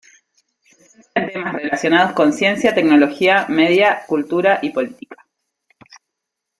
Se centra en temas relacionados con ciencia, tecnología, media, cultura y política.